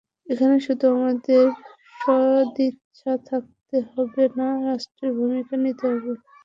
এখানে শুধু আমাদের সদিচ্ছা থাকলে হবে না, রাষ্ট্রের ভূমিকা নিতে হবে।